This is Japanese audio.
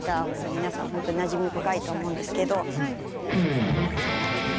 ほんとになじみ深いと思うんですけど。